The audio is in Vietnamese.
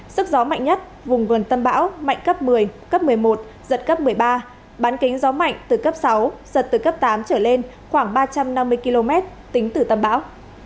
sức gió mạnh nhất vùng gần tâm bão mạnh cấp một mươi cấp một mươi một giật cấp một mươi ba bán kính gió mạnh từ cấp sáu giật từ cấp tám trở lên khoảng ba trăm năm mươi km tính từ tâm bão